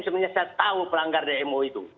sebenarnya saya tahu pelanggar dmo itu